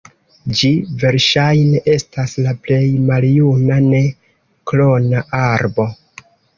Ĝi verŝajne estas la plej maljuna ne-klona arbo.